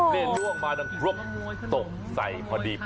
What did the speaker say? ลงมาตกใสพอดี